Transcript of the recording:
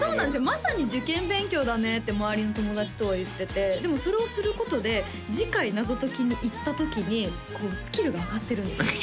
まさに受験勉強だねって周りの友達とは言っててでもそれをすることで次回謎解きに行った時にスキルが上がってるんですよ